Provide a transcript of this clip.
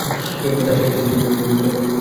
তার শেষ তিনটি ছবিই বিপুল সফলতা অর্জন করেছে।